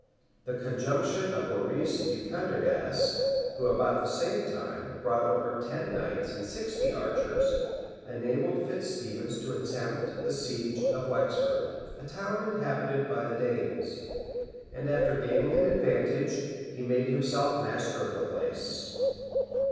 The conjunction of Maurice de Prendergast, who, about the same time, brought over ten knights and sixty archers, enabled Fitz Stephens to attempt the siege of Wexford, a town inhabited by the Danes; and after gaining an advantage, he made himself master of the place.